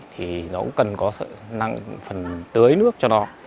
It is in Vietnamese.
thì nó cũng cần có phần tưới nước cho nó